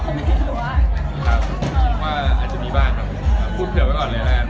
ผมคิดว่าอาจจะมีบ้างครับพูดเผื่อไว้ก่อนเลยแล้วกัน